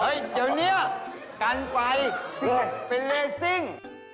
เดี๋ยวนี้กันไฟเป็นเลซิ่ง